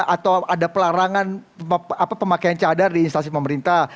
atau ada pelarangan pemakaian cadar di instansi pemerintah